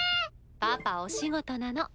パパお仕事なの。